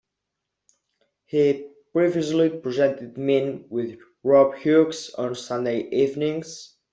He previously presented "Mint" with Rob Hughes on Sunday evenings.